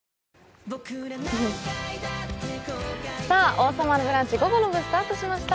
「王様のブランチ」、午後の部スタートしました。